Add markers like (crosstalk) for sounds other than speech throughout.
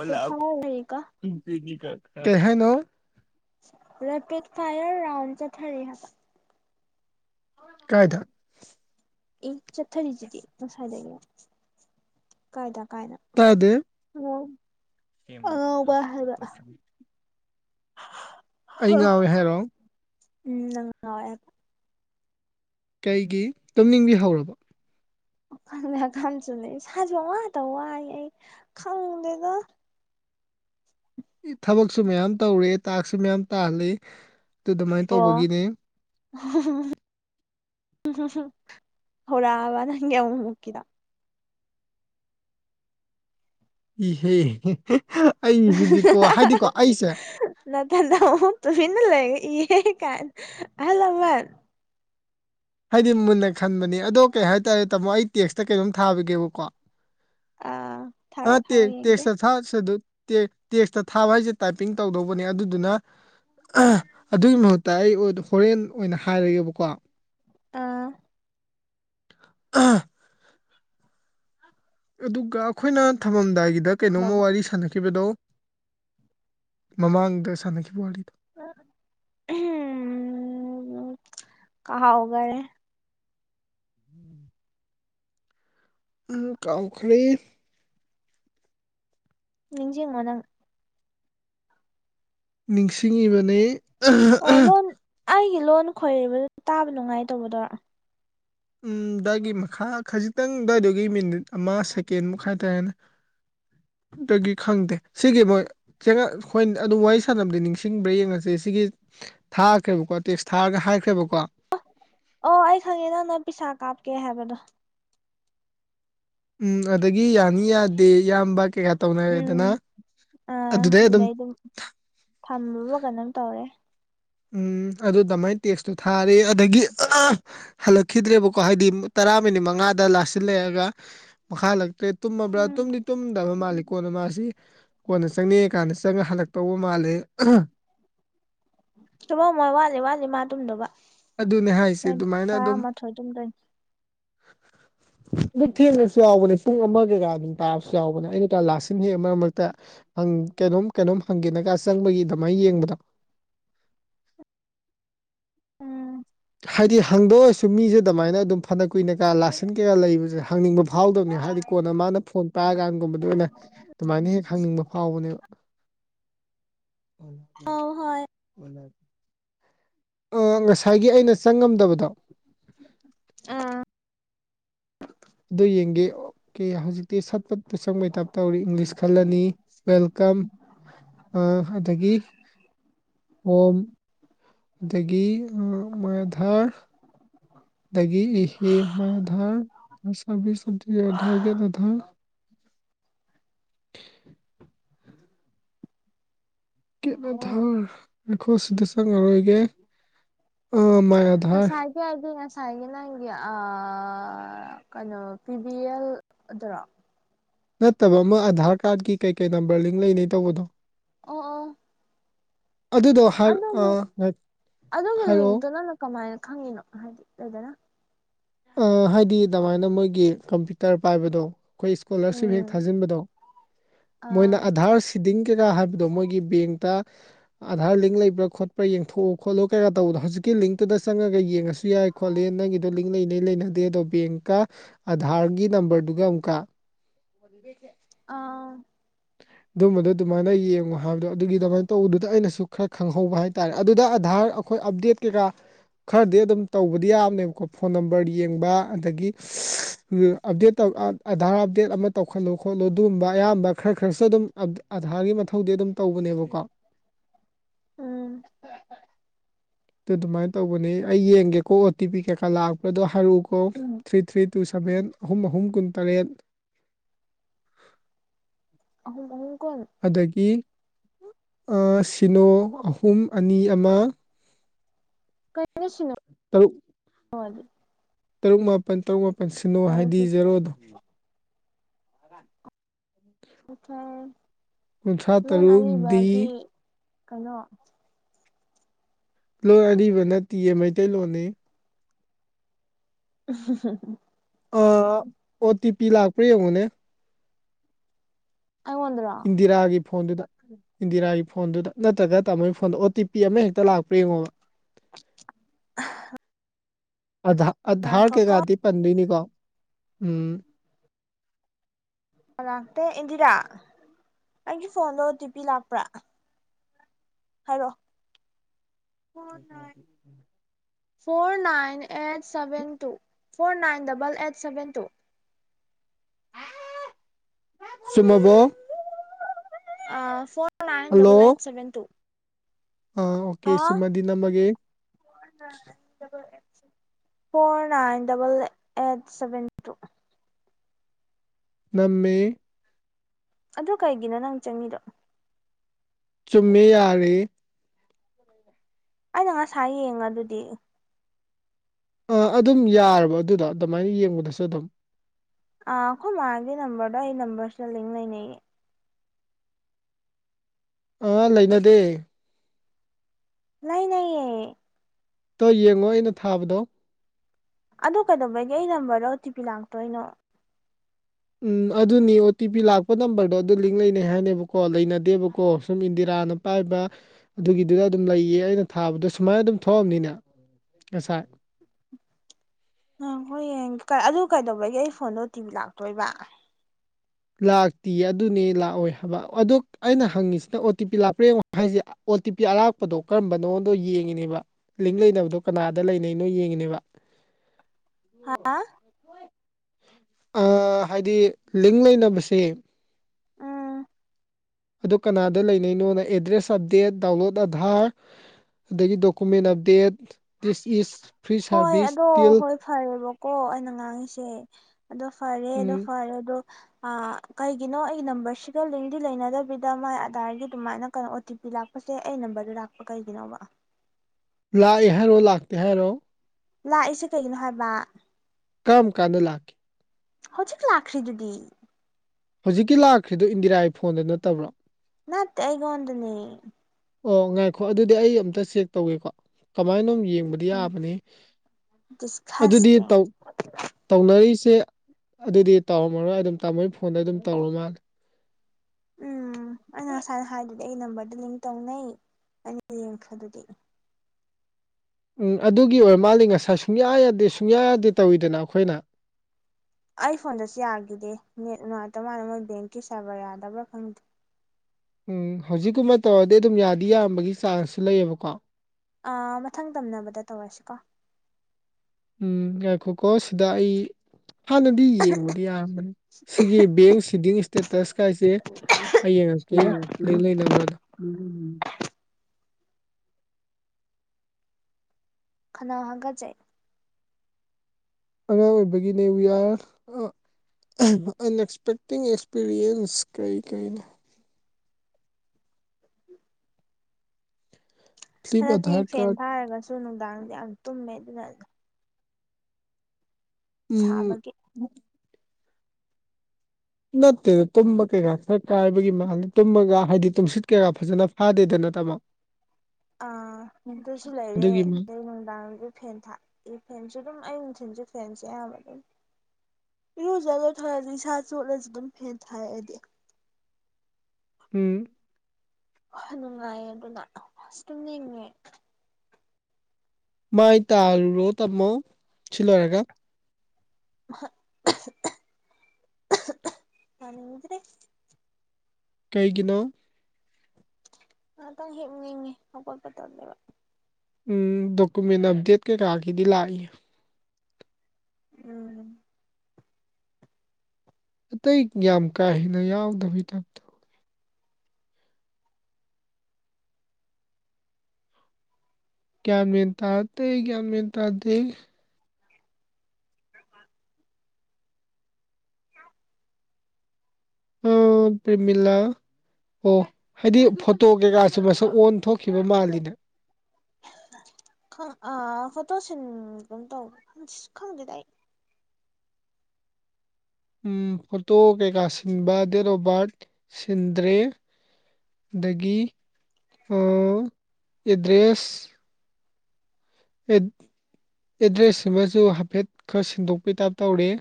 (unintelligible) (unintelligible) ꯀꯩ ꯍꯥꯢꯅꯣ ꯔꯦꯄꯤꯠ ꯐꯌꯔ ꯔꯥꯎꯟ ꯆꯥꯊꯔꯤ ꯍꯥꯏꯕ ꯀꯥꯏꯗ ꯑꯦ ꯆꯠꯊꯔꯤꯁꯤꯗꯤ ꯉꯁꯥꯏꯗꯒꯤ ꯀꯥꯏꯗ ꯀꯥꯏꯅ ꯇꯗꯦ ꯑꯣ (unintelligible) (inaudible) ꯑꯩ ꯉꯥꯎꯋꯦ ꯍꯥꯏꯔꯣ ꯎꯝ ꯅꯪꯉꯥꯎꯋꯦ ꯀꯩꯒꯤ ꯇꯨꯝꯅꯤꯡꯕꯤ ꯍꯧꯔꯕ (unintelligible) ꯁꯥꯖꯦ ꯄꯪꯋꯥ ꯇ ꯋꯥꯢ ꯑꯩ ꯈꯪꯗꯦꯅ ꯊꯕꯛꯁꯨ ꯃꯌꯥꯝ ꯇꯧꯔꯦ ꯇꯥꯛꯁꯁꯨ ꯃꯌꯥꯝ ꯇꯥꯍꯜꯂꯦ ꯑꯗꯨ ꯑꯗꯨꯃꯥꯏꯅ ꯇꯧꯕꯒꯤꯅꯤ (unintelligible) ꯍꯧꯔꯥꯕ ꯅꯪꯒꯤ ꯑꯃꯨꯛ ꯃꯨꯛꯀꯤꯔ ꯏꯍꯦ ꯑꯩꯁꯤꯗꯤꯀꯣ ꯍꯥꯏꯗꯤꯀꯣ ꯑꯩꯁꯦ ꯅꯊꯟ ꯑꯃꯨꯛ ꯇꯃꯤꯟꯅ ꯂꯩ ꯏꯍꯦ ꯀꯥꯢꯅ ꯑꯍꯟ ꯂꯃꯥꯟ ꯍꯥꯏꯗꯤ ꯃꯨꯟꯅ ꯈꯟꯕꯅꯦ ꯑꯗꯣ ꯀꯩ ꯍꯥꯏꯇꯥꯔꯦ ꯇꯥꯃꯣ ꯑꯩ ꯇꯦꯛꯁꯇ ꯀꯩꯅꯣꯝ ꯊꯥꯕꯅꯦꯕꯀꯣ ꯑꯥ ꯊꯥꯔꯣ ꯑꯥ ꯊꯥꯔꯣ ꯌꯦꯡꯒꯦ ꯇꯦꯛꯁ ꯇꯦꯛ (unintelligible) ꯑꯗꯨ ꯇꯦꯛ ꯇꯦꯛꯁꯇ ꯊꯥꯕ ꯍꯥꯏꯁꯦ ꯇꯥꯏꯄꯤꯡ ꯇꯧꯗꯧꯕꯅꯦ ꯑꯗꯨꯗꯨꯅ ꯑꯗꯨꯒꯤ ꯃꯍꯨꯠꯇ ꯑꯩꯑꯣꯢ ꯍꯣꯔꯦꯟ ꯑꯣꯏꯅ ꯍꯥꯏꯔꯒꯦꯕꯀꯣ ꯑꯥ ꯑ (unintelligible) ꯑꯗꯨꯒ ꯑꯩꯈꯣꯏꯅ ꯊꯝꯃꯝꯗꯥꯏꯒꯤꯗ ꯀꯩꯅꯣꯝꯃ ꯀꯩꯗꯧꯕ ꯋꯥꯔꯤ ꯁꯥꯟꯅꯈꯤꯕꯗꯣ ꯃꯃꯥꯡꯗ ꯁꯥꯟꯅꯈꯤꯕ ꯋꯥꯔꯤꯗꯣ (unintelligible) ꯀꯥꯎꯒꯔꯦ ꯎꯝ ꯀꯥꯎꯈꯔꯦ ꯅꯤꯡꯁꯤꯡ ꯉꯣ ꯅꯪ ꯅꯤꯡꯁꯤꯡꯉꯤꯕꯅꯦ ꯑꯣ ꯂꯣꯟ ꯑꯩꯒꯤ ꯂꯣꯟ ꯈꯣꯏꯔꯤꯕꯗꯨ ꯇꯥꯕ ꯅꯨꯡꯉꯥꯏꯇꯧꯕꯗꯔꯥ ꯎꯝ ꯑꯗꯨꯋꯥꯏꯒꯤ ꯃꯈꯥ ꯈꯖꯤꯛꯇꯪ ꯑꯗꯨꯋꯥꯏꯗꯨꯒꯤ ꯃꯤꯅꯤꯠ ꯑꯃ ꯁꯦꯀꯦꯟꯃꯨꯛ ꯍꯥꯏꯇꯥꯔꯦꯅꯦ ꯗꯒꯤ ꯈꯪꯗꯦ ꯁꯤꯒꯤ ꯃꯣꯏ ꯆꯥꯉꯥ ꯍꯣꯏ ꯑꯗꯨ ꯋꯥꯔꯤ ꯁꯥꯟꯅꯕꯗꯤ ꯅꯤꯡꯁꯤꯡꯕ꯭ꯔꯥ ꯌꯦꯡꯉꯁꯤ ꯁꯤꯒꯤ ꯊꯥꯈ꯭ꯔꯦꯕꯀꯣ ꯇꯦꯛꯁ ꯊꯥꯔꯒ ꯍꯥꯏꯈ꯭ꯔꯦꯕꯀꯣ ꯑ ꯑꯣ ꯑꯩ ꯈꯪꯉꯦ ꯅꯪꯅ ꯄꯩꯁꯥ ꯀꯥꯞꯀꯦ ꯍꯥꯏꯕꯗꯣ ꯎꯝ ꯑꯗꯒꯤ ꯌꯥꯅꯤ ꯌꯥꯗꯦ ꯏꯌꯥꯝꯕ ꯀꯩꯀꯥ ꯎꯝ ꯇꯧꯅꯔꯦꯗꯅ ꯑꯥ ꯑꯗꯨꯗꯩ ꯑꯗꯨꯝ ꯊꯝꯃꯕ ꯀꯩꯅꯣꯝ ꯇꯧꯔꯦ ꯎꯝ ꯑꯗꯨꯗꯃꯥꯏꯅ ꯇꯦꯛꯁꯇꯨ ꯊꯥꯔꯦ ꯑꯗꯒꯤ ꯑꯥꯥ ꯍꯜꯂꯛꯈꯤꯗ꯭ꯔꯦꯕꯀꯣ ꯍꯥꯏꯗꯤ ꯇꯔꯥ ꯃꯤꯅꯤꯠ ꯃꯉꯥꯗ ꯂꯥꯁ ꯁꯤꯜ ꯂꯩꯔꯒ ꯃꯈꯥ ꯍꯜꯂꯛꯇ꯭ꯔꯦ ꯇꯨꯝꯃꯕ꯭ꯔꯥ ꯎꯝ ꯇꯨꯝꯗꯤ ꯇꯨꯝꯗꯕ ꯃꯥꯜꯂꯤ ꯀꯣꯟꯅ ꯃꯥꯁꯤ ꯀꯣꯟꯅ ꯆꯪꯅꯤꯡꯉꯀꯥꯟꯗ ꯆꯪꯉ ꯍꯜꯂꯛꯇꯧꯕ ꯃꯥꯜꯂꯦ ꯇꯨꯝꯃꯝꯃꯣꯏ ꯋꯥꯠꯂꯤ ꯋꯥꯠꯂꯤ ꯃꯥ ꯇꯨꯝꯗꯕ ꯑꯗꯨꯅꯦ ꯍꯥꯏꯁꯦ ꯑꯗꯨꯃꯥꯏꯅ ꯑꯗꯨꯝ ꯇꯔꯥꯃꯥꯊꯣꯏ ꯇꯨꯝꯗꯣꯏꯅꯤ (inaudible) ꯑꯗꯨꯝ ꯊꯦꯡꯅꯁꯨ ꯌꯥꯎꯕꯅꯦ ꯄꯨꯡ ꯑꯃ ꯀꯩꯀꯥ ꯑꯗꯨꯝ ꯇꯥꯕꯁꯨ ꯌꯥꯎꯕꯅꯦ ꯑꯩꯅ ꯀ ꯂꯥꯁꯤꯟ ꯍꯦꯛ ꯃꯔꯛ ꯃꯔꯛꯇ ꯪ ꯀꯩꯅꯣꯝ ꯀꯩꯅꯣꯝ ꯍꯪꯒꯦꯅꯒ ꯆꯪꯕꯒꯤ ꯑꯗꯨꯃꯥꯏꯅ ꯌꯦꯡꯕꯗꯣ ꯎꯝ ꯍꯥꯏꯗꯤ ꯍꯪꯗꯣꯛ ꯑꯣꯏꯁꯨ ꯃꯤꯁꯦ ꯑꯗꯨꯃꯥꯏꯅ ꯑꯗꯨꯝ ꯐꯅ ꯀꯨꯏꯅ ꯀꯥ ꯂꯥꯥꯁꯁꯤꯟ ꯀꯩꯥ ꯂꯩꯕꯁꯦ ꯍꯪꯅꯤꯡꯕ ꯐꯥꯎꯗꯕꯅꯦ ꯍꯥꯏꯗꯤ ꯀꯣꯟꯅ ꯃꯥꯅ ꯐꯣꯟ ꯄꯥꯔꯀꯥꯟꯒꯨꯝꯕꯗ ꯑꯣꯏꯅ ꯑꯗꯨꯃꯥꯏꯅ ꯍꯦꯛ ꯍꯪꯅꯤꯡꯕ ꯐꯥꯎꯕꯅꯦꯕ ꯑ ꯍꯣꯏ ꯑ ꯉꯁꯥꯏꯒꯤ ꯑꯩꯅ ꯆꯪꯉꯝꯗꯕꯗꯣ ꯑꯥ ꯑꯗꯨ ꯌꯦꯡꯒꯦ ꯑꯣꯀꯦ ꯍꯧꯖꯤꯛꯇꯤ ꯁꯠꯄ ꯇꯁꯪꯕꯩꯇꯥꯞ ꯇꯧꯔꯤ ꯏꯪꯂꯤꯁ ꯈꯜꯂꯅꯤ ꯋꯦꯜꯀꯝ ꯑ ꯑꯗꯒꯤ ꯍꯣꯝ ꯇꯦꯒꯤ ꯃꯣꯏꯦꯙꯥ ꯂꯗꯒꯤ ꯍꯦ ꯃ ꯑꯙꯔ ꯁꯥ ꯆ ꯑꯙꯥꯒꯠ ꯑꯙꯥ ꯀꯦ ꯑ ꯊꯔ ꯑꯩꯈꯣ ꯁꯤꯗ ꯆꯪꯉꯔꯣꯏꯒꯦ ꯑꯥ ꯃꯌꯥꯙꯥꯔ ꯀ ꯍꯥꯏꯗꯤ ꯉꯁꯥꯏꯒꯤ ꯅꯪꯒꯤ ꯀꯩꯅꯣ ꯄꯤ ꯕꯤ ꯑꯦꯜ ꯑꯗꯨꯔꯥ ꯅꯠꯇꯕ ꯑꯃ ꯑꯙꯥꯔ ꯀꯥꯔꯗꯀꯤ ꯀꯩ ꯀꯩ ꯅꯝꯕꯔ ꯂꯤꯡ ꯂꯩꯅꯩ ꯇꯧꯕꯗꯣ ꯑꯣ ꯑꯥ ꯑꯗꯨꯗꯣ ꯑꯗꯨꯒꯤ ꯍꯥꯏꯔꯛꯑꯣ ꯑꯗꯨꯒꯤ ꯂꯤꯡꯇꯨ ꯅꯪꯅ ꯀꯃꯥꯏꯅ ꯈꯪꯉꯤꯅꯣ ꯍꯥꯏꯗꯤ ꯂꯩꯗꯅ ꯑ ꯍꯥꯏꯗꯤ ꯑꯗꯨꯃꯥꯏꯅ ꯃꯣꯏꯒꯤ ꯀꯝꯄ꯭ꯌꯨꯇꯔ ꯄꯥꯏꯕꯗꯣ ꯑꯩꯈꯣꯏ ꯏꯁꯀꯣꯂꯥꯔꯁꯤꯞ ꯍꯦꯛ ꯎꯝ ꯊꯥꯖꯤꯟꯕꯗꯣ ꯃꯣꯏꯅ ꯑꯥ ꯑꯙꯥꯔ ꯐꯤꯗꯤꯡ ꯀꯩꯀꯥ ꯍꯥꯏꯕꯗꯣ ꯃꯣꯏꯒꯤ ꯕꯦꯡꯇ ꯑꯥꯙꯥꯔ ꯂꯤꯡ ꯂꯩꯕ꯭ꯔꯥ ꯈꯣꯠꯄ꯭ꯔꯥ ꯌꯦꯡꯊꯣꯛꯎ ꯈꯣꯠꯂꯨ ꯀꯩꯀꯥ ꯇꯧꯕꯗꯣ ꯍꯧꯖꯤꯛꯀꯤ ꯂꯤꯡꯇꯨꯗ ꯆꯪꯉꯒ ꯌꯦꯡꯉꯁꯨ ꯌꯥꯏ ꯈꯣꯠꯂꯦ ꯅꯪꯒꯤꯗꯣ ꯂꯤꯡ ꯂꯩꯅꯩ ꯂꯩꯅꯗꯦ ꯑꯗꯣ ꯕꯦꯡꯀ ꯑꯥꯙꯥꯔꯒꯤ ꯅꯝꯕꯔꯗꯨꯒ ꯑꯃꯨꯛꯀ ꯍꯗꯁꯦ ꯑꯥ ꯑꯗꯨꯝꯕꯗꯣ ꯑꯗꯨꯃꯥꯏꯅ ꯌꯦꯡꯉꯣ ꯍꯥꯏꯕꯗꯣ ꯑꯗꯨꯒꯤ ꯑꯗꯨꯃꯥꯏꯅ ꯇꯧꯕꯗꯨꯗ ꯑꯩꯅꯁꯨ ꯈꯔ ꯈꯪꯍꯧꯕ ꯍꯥꯏꯇꯥꯔꯦ ꯑꯗꯨꯗ ꯑꯙꯥꯔ ꯑꯩꯈꯣꯏ ꯑꯞꯗꯦꯠ ꯀꯩꯀꯥ ꯈꯔꯗꯤ ꯑꯗꯨꯝ ꯇꯧꯕꯗꯤ ꯌꯥꯕꯅꯦꯕꯀꯣ ꯐꯣꯟ ꯅꯝꯕꯔ ꯌꯦꯡꯕ ꯑꯗꯒꯤ ꯎꯞꯗꯦꯠ ꯑꯙꯥꯔ ꯑꯞꯗꯦꯠ ꯑꯃ ꯇꯧꯈꯠꯂꯨ ꯈꯣꯠꯂꯨ ꯑꯗꯨꯒꯨꯝꯕ ꯑꯌꯥꯝꯕ ꯈꯔ ꯈꯔꯁꯨ ꯑꯗꯨꯝ ꯑꯙꯥꯔꯒꯤ ꯃꯊꯧꯗꯤ ꯑꯗꯨꯝ ꯇꯧꯕꯅꯦꯕꯀꯣ ꯎꯝ ꯑꯗꯨ ꯑꯗꯨꯃꯥꯏꯅ ꯇꯧꯕꯅꯦ ꯑꯩ ꯌꯦꯡꯒꯦꯀꯣ ꯑꯣ ꯇꯤ ꯄꯤ ꯀꯩꯀꯥ ꯂꯥꯛꯄ꯭ꯔꯥꯗꯣ ꯍꯥꯏꯔꯛꯎꯀꯣ um three three two seven ꯑꯍꯨꯝ ꯑꯍꯨꯝ ꯀꯨꯟꯇꯔꯦꯠ ꯑꯍꯨꯝ ꯑꯍꯨꯝ ꯀꯨꯟ ꯑꯗꯒꯤ ꯁꯤꯅꯣ ꯑꯍꯨꯝ ꯑꯅꯤ ꯑꯃ ꯇꯔꯨꯛ ꯀꯩꯅꯩꯅꯁꯤꯅꯗꯤ ꯇꯔꯨꯛ ꯃꯥꯄꯜ ꯇꯔꯨꯛ ꯃꯥꯄꯜ ꯁꯤꯅꯣ ꯇꯔꯨꯛ ꯍꯥꯏꯗꯤ ꯖꯦꯔꯣꯗꯣ ꯑꯩꯣꯏ ꯀꯨꯟꯊ꯭ꯔꯥ ꯂꯣꯟ ꯇꯔꯨꯛ ꯑꯔꯤꯕꯒꯤ ꯗꯤ ꯀꯩꯅꯣ ꯂꯣꯟ ꯑꯔꯤꯕ ꯅꯠꯇꯦꯌꯦ ꯃꯩꯇꯩꯂꯣꯟꯅꯤ ꯎ ꯑꯣ ꯇꯤ ꯄꯤ ꯂꯥꯛꯄ꯭ꯔꯥ ꯌꯦꯡꯉꯣꯅꯦ ꯑꯩꯉꯣꯟ꯭ꯗꯔꯥ ꯗꯤꯔꯥꯒꯤ ꯐꯣꯟꯗꯨꯗ ꯏꯟꯗꯤꯔꯥꯒꯤ ꯐꯣꯟꯗꯨꯗ ꯅꯠꯇ꯭ꯔꯒ ꯇꯥꯃꯣꯒꯤ ꯐꯣꯟꯗ ꯑꯣ ꯇꯤ ꯄꯤ ꯑꯃ ꯍꯦꯛꯇ ꯂꯥꯛꯄ꯭ꯔꯥ ꯌꯦꯡꯉꯣꯕ ꯑꯙꯥ ꯑꯙꯔ ꯉꯥꯏꯈꯣꯀꯣ ꯀꯩꯒꯗꯤ ꯄꯟꯗꯣꯏꯅꯤꯀꯣ ꯎꯝ ꯂꯥꯛꯇꯦ ꯏꯟꯗꯤꯔꯥ ꯅꯪꯒꯤ ꯐꯣꯟꯗ ꯑꯣ ꯇꯤ ꯄꯤ ꯂꯥꯛꯄ꯭ꯔꯥ ꯍꯥꯏꯔꯣ four nine eight seven two four nine double eight seven two ꯆꯨꯝꯃꯥꯕꯣ ꯑ four nine double eight seven two ꯑ ꯑꯣꯀꯦ ꯍꯥ ꯆꯨꯝꯃꯗꯤ ꯅꯝꯃꯒꯦ (unintelligible) four nine double eight seven two ꯅꯝꯃꯦ ꯑꯗꯨ ꯀꯩꯒꯤꯅꯣ ꯅꯪ ꯆꯪꯉꯤꯗꯣ ꯆꯨꯝꯃꯦ ꯌꯥꯔꯦ ꯑꯩꯅ ꯉꯁꯥꯏ ꯌꯦꯡꯉ ꯑꯗꯨꯗꯤ ꯑ ꯑꯗꯨꯝ ꯌꯥꯔꯕ ꯑꯗꯨꯗ ꯑꯗꯨꯃꯥꯏꯅ ꯌꯦꯡꯕꯗꯁꯨ ꯑꯗꯨꯝ ꯑ ꯑꯩꯈꯣꯏ ꯃꯥꯒꯤ ꯅꯝꯕꯔꯗꯣ ꯑꯩ ꯅꯝꯕꯔꯁꯤꯗ ꯂꯤꯡ ꯂꯩꯅꯩꯌꯦ ꯑꯥ ꯂꯩꯅꯗꯦ ꯂꯩꯅꯩꯌꯦ ꯇꯣ ꯌꯦꯡꯉꯣ ꯑꯩꯅ ꯊꯥꯕꯗꯣ ꯑꯗ‌ꯣ ꯀꯩꯗꯧꯕꯩꯒꯤ ꯑꯩ ꯅꯝꯕꯔꯗ ꯑꯣ ꯇꯤ ꯄꯤ ꯂꯥꯛꯇꯣꯏꯅꯣ ꯎꯝ ꯑꯗꯨꯅꯤ ꯑꯣ ꯇꯤ ꯄꯤ ꯂꯥꯛꯄ ꯅꯝꯕꯔꯗꯣ ꯑꯗꯨ ꯂꯤꯡ ꯂꯩꯅꯩ ꯍꯥꯏꯅꯦꯕꯀꯣ ꯂꯩꯅꯗꯦꯕꯀꯣ ꯁꯨꯝ ꯏꯟꯗꯤꯔꯥꯅ ꯄꯥꯏꯕ ꯑꯗꯨꯒꯤꯗꯨꯗ ꯑꯗꯨꯝ ꯂꯩꯌꯦ ꯑꯩꯅ ꯊꯥꯕꯗꯣ ꯁꯨꯃꯥꯏꯅ ꯑꯗꯨꯝ ꯊꯣꯛꯑꯕꯅꯤꯅꯦ ꯉꯁꯥꯏ ꯑ ꯍꯣꯏꯌꯦꯡ ꯑꯗꯨ ꯀꯩꯗꯧꯕꯒꯤ ꯑꯩ ꯐꯣꯟꯗꯣ ꯑꯣꯇꯤꯚꯤ ꯂꯥꯛꯇꯣꯏꯕ ꯂꯥꯛꯇꯤꯌ‌ꯦ ꯑꯗꯨꯅꯦ ꯂꯥꯛꯑꯣꯏ ꯍꯥꯏꯕ ꯑꯗꯨ ꯑꯩꯅ ꯍꯪꯉꯤꯁꯤꯅ ꯑꯣ ꯇꯤ ꯄꯤ ꯂꯥꯛꯄ꯭ꯔ ꯌꯦꯡꯉ‌ꯣ ꯍꯥꯏꯁꯦ ꯑꯣ ꯇꯤ ꯄꯤ ꯑꯔꯥꯛꯄꯗꯣ ꯀꯔꯝꯕꯅꯣꯗꯣ ꯌꯦꯡꯉꯤꯅꯦꯕ ꯂꯤꯡ ꯂꯩꯅꯕꯗꯣ ꯀꯅꯥꯗ ꯂꯩꯅꯩꯅꯣ ꯌꯦꯡꯉꯤꯅꯦꯕ ꯍꯥꯥ ꯑꯥ ꯍꯥꯏꯗꯤ ꯂꯤꯡ ꯂꯩꯅꯕꯁꯦ ꯎꯝ ꯑꯗꯨ ꯀꯅꯥꯗ ꯂꯩꯅꯩꯅꯣꯅ ꯑꯦꯗ꯭ꯔꯦꯁ ꯑꯞꯗꯦꯠ ꯗꯥꯎꯟꯂꯣꯠ ꯑꯗꯥꯥꯔ ꯑꯗꯒꯤ document update this is free ꯍꯣꯏ ꯁꯥꯔꯚꯤꯁ ꯑꯗꯣ ꯇꯤꯜ ꯍꯣꯏ ꯐꯔꯦꯕꯀꯣ ꯑꯩꯅ ꯉꯥꯡꯏꯁꯦ ꯑꯣ ꯐꯔꯦ ꯑꯗꯣ ꯎꯝ ꯐꯔꯦ ꯑꯗꯣ ꯑꯥ ꯀꯩꯒꯤꯅꯣ ꯑꯩꯒꯤ ꯅꯝꯕꯔꯁꯤꯒ ꯂꯤꯡꯗꯤ ꯂꯩꯅꯗꯕꯤꯗ ꯃꯥꯏ ꯑꯙꯥꯔꯒꯤ ꯑꯗꯨꯃꯥꯏꯅ ꯀꯩꯅꯣ ꯑꯣ ꯇꯤ ꯄꯤ ꯂꯥꯛ ꯃꯁꯦ ꯑꯩ ꯅꯝꯕꯔꯗ ꯂꯥꯛꯄ ꯀꯩꯒꯤꯅꯣꯕ ꯂꯥꯛꯑꯦ ꯍꯥꯏꯔꯣ ꯂꯥꯛꯇꯦ ꯍꯥꯏꯔꯣ ꯂꯥꯛꯏꯁꯦ ꯀꯩꯒꯤꯅꯣ ꯍꯥꯏꯕ ꯀꯝ ꯀꯥꯟꯅ ꯂꯥꯛꯀ‌ꯦ ꯍꯧꯖꯤꯛ ꯂꯈ꯭ꯔꯤꯗꯨꯗꯤ ꯍꯧꯖꯤꯛꯀꯤ ꯂꯥꯛꯈ꯭ꯔꯤꯗꯣ ꯏꯟꯗꯤꯔꯥꯒꯤ ꯐꯣꯟꯗ ꯅꯠꯇꯕ꯭ꯔꯣ ꯅꯠꯇ‌ꯦ ꯑꯩꯉ‌ꯣꯟꯗꯅꯤ ꯑꯣ ꯉꯥꯏꯈꯣ ꯑꯗꯨꯗꯤ ꯑꯩ ꯑꯝꯇ ꯆꯦꯛ ꯇꯧꯒꯦꯀꯣ ꯀꯃꯥꯏꯅꯣ ꯌꯦꯡꯕꯅ ꯎꯝ ꯌꯥꯕꯅꯤ ꯑꯗꯨꯗꯤ ꯗꯤꯁꯀꯥꯁꯇꯤꯡ ꯇꯧ ꯇꯧꯅꯔꯛꯏꯁꯦ ꯑꯗꯨꯗꯤ ꯇꯧꯔꯝꯃꯔꯣꯏ ꯑꯗꯨꯝ ꯇꯥꯃꯣ ꯐꯣꯟꯗ ꯑꯗꯨꯝ ꯇꯧꯔ ꯃꯥꯜꯂꯦ ꯎꯝ ꯑꯩꯅ ꯉꯁꯥꯏꯅ ꯍꯥꯏꯗꯨꯗꯤ ꯑꯩ ꯅꯝꯕꯔꯗ ꯂꯤꯡ ꯇꯧꯅꯩ ꯑꯩꯅ ꯌꯦꯡꯈ꯭ꯔ ꯑꯗꯨꯗꯤ ꯎꯝ ꯑꯗꯨꯒꯤ ꯑꯣꯏꯔ ꯃꯥꯜꯂꯤ ꯉꯁꯥꯏ ꯁꯨꯡꯌꯥ ꯌꯥꯗꯦ ꯁꯨꯡꯌꯥ ꯌꯥꯗꯦ ꯇꯧꯋꯤꯗꯅ ꯑꯩꯈꯣꯏꯅ ꯑꯩ ꯐꯣꯟꯗꯁꯨ ꯌꯥꯒꯤꯗꯦ ꯅꯦꯠ ꯅꯨꯡꯉꯥꯏꯇꯕ ꯃꯥꯅ ꯃꯣꯏ ꯕꯦꯡꯀꯤ ꯁꯥꯚꯔ ꯌꯥꯗꯕ꯭ꯔꯥ ꯈꯪꯗꯦ ꯎꯝ ꯍꯧꯖꯤꯛꯀꯨꯝꯕ ꯇꯧꯔꯗꯤ ꯑꯗꯨꯝ ꯌꯥꯗꯤ ꯌꯥꯝꯕꯒꯤ ꯆꯥꯟꯁꯁꯨ ꯂꯩꯌꯦꯕꯀꯣ ꯑꯥ ꯃꯊꯪ ꯇꯝꯅꯕꯗ ꯇꯧꯔꯁꯤꯀꯣ ꯎꯝ ꯌꯥꯏꯈꯣꯀꯣ ꯁꯤꯗ ꯑꯩ ꯍꯥꯟꯅꯗꯤ ꯌꯦꯡꯕꯗꯤ ꯌꯥꯝꯒꯅꯤ ꯁꯤꯒꯤ ꯕꯦꯡ ꯁꯤꯗꯤꯡ ꯏꯁꯇꯦꯇꯁ ꯀꯥꯏꯁꯦ ꯍ ꯌꯦꯡꯉꯛꯀꯦ ꯂꯤꯡ ꯂꯩꯅꯕ꯭ꯔꯥꯗꯣ ꯎꯝ ꯈꯅꯥꯎ ꯍꯥꯒꯠꯆꯩ ꯑꯉꯥꯡ ꯑꯣꯏꯕꯒꯤꯅꯦ ꯋꯤ ꯑꯥꯔ ꯑꯟꯑꯛꯁꯄꯦꯛꯛꯇꯤꯡ ꯑꯦꯛꯁꯄꯤꯔꯤꯌꯦꯟꯁ ꯀꯩ ꯀꯩꯅ ꯐ꯭ꯂꯤꯞ ꯍꯟꯗꯛꯇꯤ ꯑꯙꯥꯔ ꯐꯦꯟ ꯀꯥꯔꯠ ꯊꯥꯔꯒꯁꯨ ꯅꯨꯡꯗꯥꯡꯗꯤ ꯌꯥꯝ ꯇꯨꯝꯃꯦ ꯑꯗꯨꯅ ꯎꯝ ꯁꯥꯕꯒꯤ ꯅꯠꯇꯦꯗ ꯇꯨꯝꯕ ꯀꯩꯀꯥ ꯈꯔ ꯀꯥꯏꯕꯒꯤ ꯃꯥꯡꯗꯦ ꯇꯨꯝꯃꯒ ꯍꯥꯏꯗꯤ ꯇꯨꯝꯁꯤꯠ ꯀꯩꯀꯥ ꯐꯖꯅ ꯐꯥꯗꯦꯗ ꯇꯥꯃ‌ꯣ ꯑꯥ ꯑꯗꯨꯁꯨ ꯂꯩꯔꯦ ꯑꯗꯨꯒꯤ ꯃꯥ ꯑꯗꯩ ꯅꯨꯡꯗꯥꯡꯗ ꯐꯦꯟ ꯊꯥ ꯑꯦ ꯐꯦꯟꯁꯨ ꯑꯗꯨꯝ ꯑꯩꯌꯨ ꯅꯨꯡꯊꯤꯟꯁꯨ ꯐꯦꯟꯁꯦ ꯑꯌꯥꯝꯕ ꯑꯗꯨꯝ ꯏꯔꯨꯖꯂ ꯊꯔꯁꯨ ꯏꯁꯥ ꯆꯣꯠꯂꯁꯤ ꯑꯗꯨꯝ ꯐꯦꯟ ꯊꯥꯏ ꯑꯩꯗꯤ ꯎꯝ ꯍ ꯅꯨꯡꯉꯥꯏꯌꯦ ꯑꯗꯨꯅ ꯑꯁ ꯇꯨꯝꯅꯤꯡꯉꯦ ꯃꯥꯏ ꯇꯥꯔꯨꯔꯣ ꯇꯥꯃꯣ ꯁꯤ ꯂ‌ꯣꯏꯔꯒꯥ (unintelligible) ꯀꯩꯒꯤꯅꯣ ꯉꯥꯛꯇꯪ ꯍꯤꯞꯅꯤꯡꯉ‌ꯦ ꯍꯧꯒꯠꯄ ꯇꯜꯂ‌ꯦꯕ ꯎꯝ ꯗꯣꯀꯨꯃꯦꯟ ꯑꯞꯗꯦꯠ ꯀꯩꯀꯥꯒꯤꯗꯤ ꯂꯥꯛꯏ ꯎꯝ ꯑꯇꯩ ꯌꯥꯝ ꯀꯥ ꯍꯦꯟꯅ ꯌꯥꯎꯗꯕꯩ ꯇꯥꯏꯞꯇ ꯒ꯭ꯌꯥꯟ ꯃꯦꯟ ꯇꯥꯗ‌ꯦ ꯒ꯭ꯌꯥꯟ ꯃꯦꯟ ꯇꯥꯗ‌ꯦ (unintelligible) ꯍ‌ꯣ ꯄ꯭ꯔ‌ꯦꯃꯤꯂꯥ ꯑꯣ ꯍꯥꯏꯗꯤ ꯐꯣꯇꯣ ꯀꯩꯀꯥꯁꯨ ꯃꯁꯛ ꯑꯣꯟ ꯊꯣꯛꯈꯤꯕꯩ ꯃꯥꯜꯂꯤꯅꯦ ꯈꯪ ꯑ ꯐꯣꯇꯣ ꯁꯤꯟꯒꯨꯝ ꯇꯧꯕ ꯈꯪꯗꯦꯗ ꯑꯩ ꯎꯝ ꯐꯣꯇꯣ ꯀꯩꯀꯥ ꯁꯤꯟꯕ ꯗꯦꯠ ꯑꯣꯐ ꯕꯥꯔꯠ ꯁꯤꯟꯗ꯭ꯔꯤ ꯑꯗꯒꯤ ꯑꯣ ꯑꯦꯗ꯭ꯔꯦꯁ ꯑ‌ꯦꯗ ꯑꯦꯗ꯭ꯔꯦꯁ ꯁꯤꯃꯁꯨ ꯍꯥꯏꯐꯦꯠ ꯈꯔ ꯁꯤꯟꯗꯣꯛꯄꯤ ꯇꯥꯏꯞ ꯇꯧꯔ‌ꯦ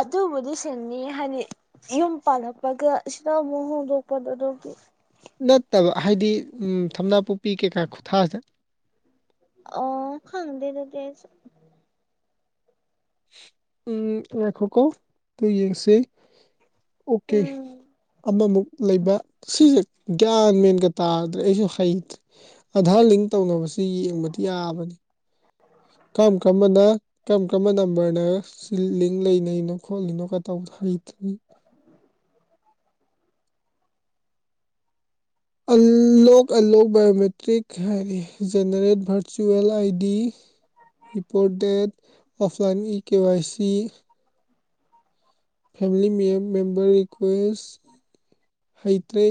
ꯑꯗꯨꯕꯨꯗꯤ ꯁꯤꯟꯅꯤ ꯍꯥꯏꯗꯤ ꯌꯨꯝ ꯄꯥꯜꯂꯛꯄꯒ ꯁꯤꯗ ꯃꯨꯛ ꯍꯣꯡꯗꯣꯛꯄꯗ‌ꯣ ꯑꯗꯨꯒꯤ ꯅꯠꯇꯕ ꯍꯥꯏꯗꯤ ꯎꯝ ꯊꯝꯅꯥꯄꯣꯛꯄꯤ ꯀꯩꯀꯥ ꯈꯨꯊꯥꯁ‌ꯦ ꯑ ꯈꯪꯗ‌ꯦ ꯗꯨꯗꯤ ꯑꯩꯁꯨ ꯎꯝ ꯉꯥꯏꯈꯣꯀꯣ ꯗꯨ ꯌꯦꯡꯁꯤ ꯑꯣꯀꯦ ꯎꯝ ꯑꯃꯃꯨꯛ ꯂꯩꯕ ꯁꯤꯁ ꯒ꯭ꯌꯥꯟ ꯃꯦꯟꯒ ꯇꯥꯗ꯭ꯔꯦ ꯑꯩꯁꯨ ꯍꯩꯇ꯭ꯔꯦ ꯑꯙꯥꯔ ꯂꯤꯡ ꯇꯧꯅꯕꯁ ꯁꯤ ꯌꯦꯡꯕꯗꯤ ꯌꯥꯕꯅꯤ ꯀꯝ ꯀꯝꯕꯅ ꯀꯔꯝ ꯀꯔꯝꯕ ꯅꯝꯕꯔꯅ ꯁꯤ ꯂꯤꯡ ꯂꯩꯅꯩꯅꯣ ꯈꯣꯠꯂꯤꯅꯣ ꯀ ꯇꯧꯕꯗ‌ꯣ ꯍꯩꯇ꯭ꯔ‌ꯦ ꯑꯟꯂꯣꯛ ꯑꯟꯂꯣꯛ ꯕꯥꯏꯌ‌ꯣꯃꯦꯇ꯭ꯔꯤꯛ ꯍꯥꯏꯗꯤ generate virtual I D report date offline E K Y C family member request ꯍꯩꯇ꯭ꯔꯦ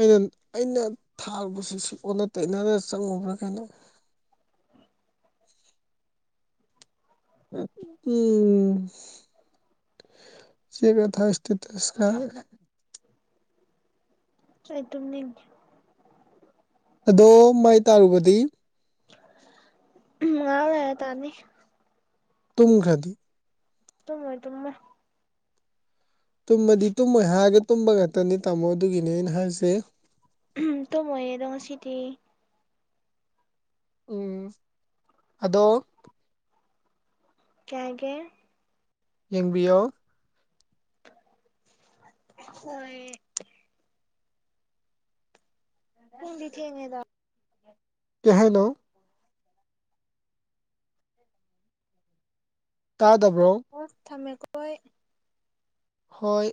ꯑꯩꯅ ꯑꯩꯅ ꯊꯥꯔꯨꯕꯁꯤꯁꯨ ꯑꯣꯟꯅ ꯇꯩꯅꯅ ꯆꯪꯉꯨꯕ꯭ꯔꯥ ꯀꯩꯅꯣ (unintelligible) ꯆꯦꯕ ꯊꯥꯏꯁ ꯇꯤꯇꯁ ꯀꯥꯏ ꯑꯩ ꯇꯨꯝꯅꯤꯡ ꯑꯗꯣ ꯃꯥꯏ ꯇꯥꯔꯨꯕꯗꯤ (unintelligible) ꯇꯥꯅꯤ ꯇꯨꯝꯈ꯭ꯔꯗꯤ ꯇꯨꯝꯃ‌ꯣꯏ ꯇꯨꯝꯃ‌ꯣꯏ ꯇꯨꯝꯃꯗꯤ ꯇꯨꯝꯃꯣꯏ ꯍꯥꯏꯔꯒ ꯇꯨꯝꯕ ꯉꯥꯛꯇꯅꯤ ꯇꯥꯃꯣ ꯑꯗꯨꯒꯤꯅꯤ ꯑꯩꯅ ꯍꯥꯏꯖ‌ꯦ ꯇꯨꯝꯃ‌ꯣꯏꯌ‌ꯦꯗꯥ ꯉꯁꯤꯗꯤ ꯎꯝ ꯑꯗꯣ ꯀꯩ ꯍꯥꯏꯒꯦ ꯌꯦꯡꯕꯤꯌꯣ ꯍꯣꯏ ꯄꯨꯡꯗꯤ ꯊꯦꯡꯉ‌ꯦꯗ ꯀꯩꯍꯥꯏꯅꯣ ꯇꯥꯗꯕ꯭ꯔꯣ ꯑꯣ ꯊꯝꯃꯦꯀ‌ꯣ ꯑꯩ ꯍꯣꯏ